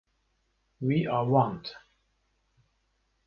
Wî avand.